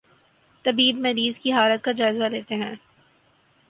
طبیب مریض کی حالت کا جائزہ لیتے ہیں